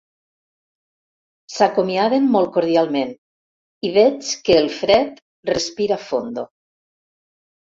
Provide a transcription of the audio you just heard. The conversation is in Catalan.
S'acomiaden molt cordialment i veig que el Fred respira fondo.